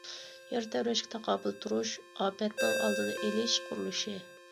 يەر تەۋرەشكە تاقابىل تۇرۇش، ئاپەتنىڭ ئالدىنى ئېلىش قۇرۇلۇشى.